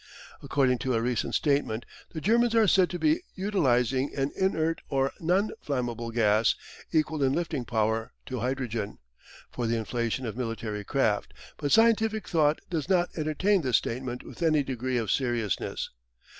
According to a recent statement the Germans are said to be utilising an inert or non inflammable gas, equal in lifting power to hydrogen, for the inflation of military craft, but scientific thought does not entertain this statement with any degree of seriousness.